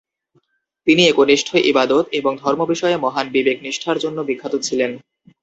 তিনি একনিষ্ঠ ইবাদত এবং ধর্ম বিষয়ে মহান বিবেকনিষ্ঠার জন্যে বিখ্যাত ছিলেন।